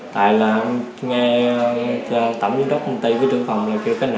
tại là nghe tổng giám đốc công ty với trường phòng là kêu cái nợ